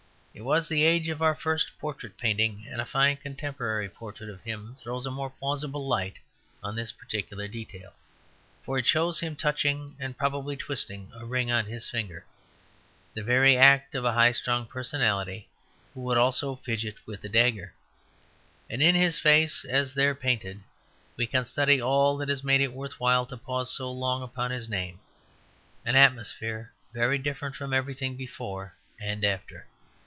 It was the age of our first portrait painting, and a fine contemporary portrait of him throws a more plausible light on this particular detail. For it shows him touching, and probably twisting, a ring on his finger, the very act of a high strung personality who would also fidget with a dagger. And in his face, as there painted, we can study all that has made it worth while to pause so long upon his name; an atmosphere very different from everything before and after.